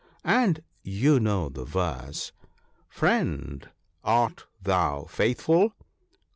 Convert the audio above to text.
And you know the verse, " Friend, art thou faithful